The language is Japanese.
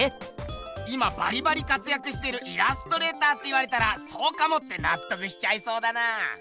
今バリバリかつやくしてるイラストレーターって言われたら「そうかも」ってなっとくしちゃいそうだな。